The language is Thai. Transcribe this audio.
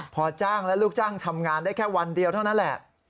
พอจ้างและลูกจ้างทำงานได้แค่วันเดียวเท่านั้นแหละ